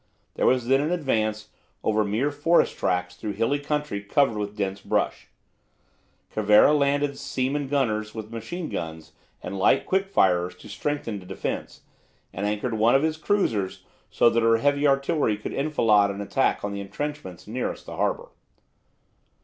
There was then an advance over mere forest tracks through hilly country covered with dense bush. Cervera landed seamen gunners with machine guns and light quick firers to strengthen the defence, and anchored one of his cruisers so that her heavy artillery could enfilade an attack on the entrenchments nearest the harbour.